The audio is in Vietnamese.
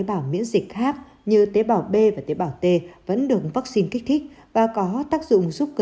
bảo miễn dịch khác như tế bào b và tế bào t vẫn được vaccine kích thích và có tác dụng giúp cơ